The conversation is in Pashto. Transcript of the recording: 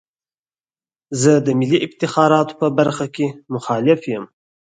زه د ملي افتخاراتو په برخه کې مخالف یم.